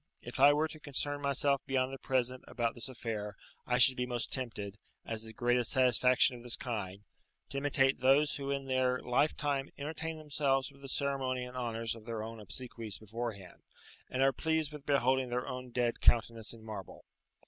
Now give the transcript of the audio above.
"If I were to concern myself beyond the present about this affair, I should be most tempted, as the greatest satisfaction of this kind, to imitate those who in their lifetime entertain themselves with the ceremony and honours of their own obsequies beforehand, and are pleased with beholding their own dead countenance in marble.